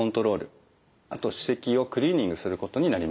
あと歯石をクリーニングすることになります。